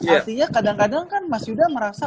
artinya kadang kadang kan mas yuda merasa